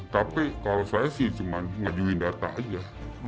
tapi kalau saya sih cuma ngajuin data aja